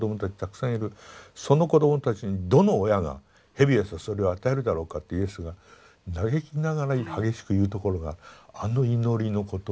その子どもたちにどの親が蛇やサソリを与えるだろうかってイエスが嘆きながら激しく言うところがあの祈りの言葉なんですよ。